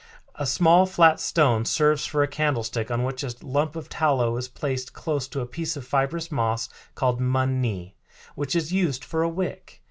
A small, flat stone serves for a candlestick, on which a lump of tallow is placed close to a piece of fibrous moss called mun ne, which is used for a wick.